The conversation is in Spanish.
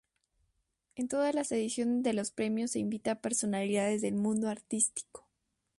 En todas las ediciones de los premios se invita a personalidades del mundo artístico.